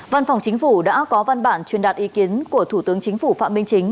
văn phòng chính phủ đã có văn bản truyền đạt ý kiến của thủ tướng chính phủ phạm minh chính